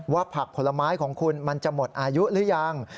ผักผลไม้ของคุณมันจะหมดอายุหรือยัง